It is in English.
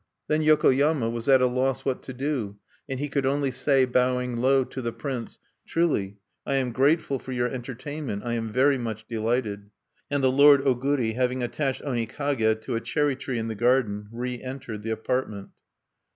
Then Yokoyama was at a loss what to do, and he could only say, bowing low to the prince: "Truly I am grateful for your entertainment; I am very much delighted." And the lord Oguri, having attached Onikage to a cherry tree in the garden, reentered the apartment.